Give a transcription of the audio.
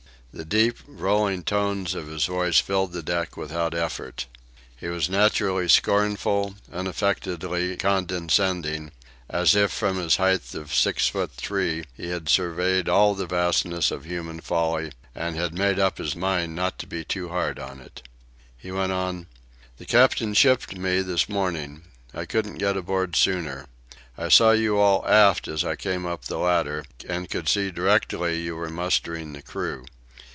The deep, rolling tones of his voice filled the deck without effort. He was naturally scornful, unaffectedly condescending, as if from his height of six foot three he had surveyed all the vastness of human folly and had made up his mind not to be too hard on it. He went on: "The captain shipped me this morning. I couldn't get aboard sooner. I saw you all aft as I came up the ladder, and could see directly you were mustering the crew.